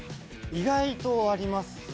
意外とありますね。